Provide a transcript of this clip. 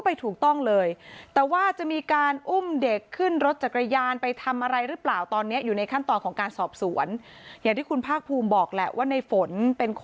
ไปถูกต้องเลยแต่ว่าจะมีการอุ่มเด็กขึ้นรถจักรยานไปทำอะไรหรือเปล่าตอนนี้อยู่ในขั้นตอนของการสอบสวน